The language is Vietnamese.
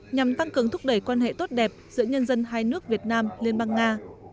nhằm tăng cường thúc đẩy quan hệ tốt đẹp giữa nhân dân hai nước việt nam liên bang nga